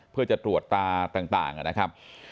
เพื่อจะตรวจตาต่างนะครับ